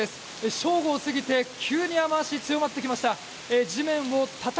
正午を過ぎて急に雨脚が強まってきました。